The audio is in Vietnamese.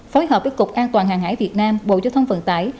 phối hợp với cục an toàn hàng hải việt nam bộ giao thông vận tải